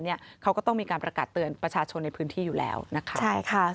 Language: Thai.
หรือลักษณะแบบนี้เขาก็ต้องมีการประกาศเตือนประชาชนในพื้นที่อยู่แล้วนะคะ